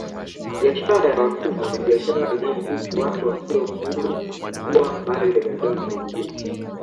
Biashara ya watumwa ni biashara inayohusu watu wasio huru kuwa mali ya binadamu wengine